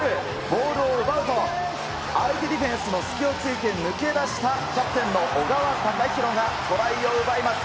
ボールを奪うと、相手ディフェンスの隙をついて抜け出したキャプテンの小川高廣がトライを奪います。